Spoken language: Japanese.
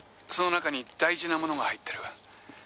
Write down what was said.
「その中に大事なものが入ってる」